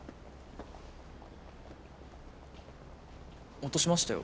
落としましたよ。